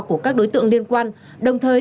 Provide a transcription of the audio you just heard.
của các đối tượng liên quan đồng thời